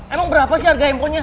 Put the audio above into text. emang berapa sih harga handphonenya